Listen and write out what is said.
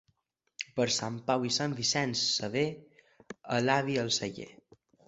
Per Sant Pau i Sant Vicenç Sever, el vi al celler.